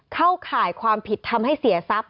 เข้าข่ายความผิดทำให้เสียทรัพย